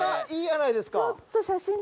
いいやないですか」